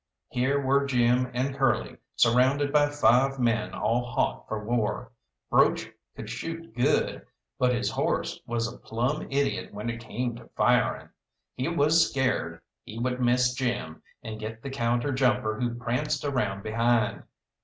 Here were Jim and Curly surrounded by five men all hot for war. Broach could shoot good, but his horse was a plumb idiot when it came to firing. He was scared he would miss Jim, and get the counter jumper who pranced around behind.